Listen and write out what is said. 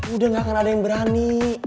udah gak akan ada yang berani